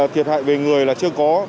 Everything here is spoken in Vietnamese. thiệt hại về người là chưa có